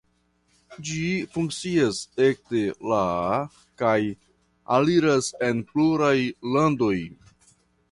Ĝi funkcias ekde la kaj alireblas en pluraj landoj.